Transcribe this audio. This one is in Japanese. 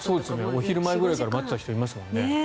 お昼前ぐらいから待っていた人いましたもんね。